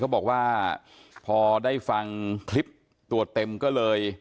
บอกว่าพอได้ฟังคลิปตัวเต็มก็เลย